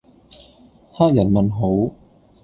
黑人問號